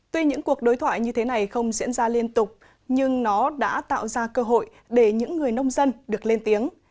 tuy những cuộc đối thoại như thế này không diễn ra liên tục nhưng nó đã tạo ra cơ hội để những người nông dân được lên tiếng